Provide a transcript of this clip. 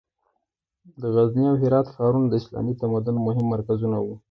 د غزني او هرات ښارونه د اسلامي تمدن مهم مرکزونه وو.